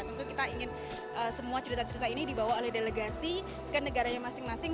tentu kita ingin semua cerita cerita ini dibawa oleh delegasi ke negaranya masing masing